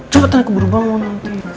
cepetan aku baru bangun nanti